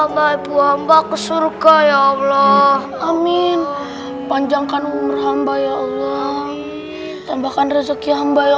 mba ibu hamba ke surga ya allah amin panjangkan umur hamba ya allah tambahkan rezeki hamba ya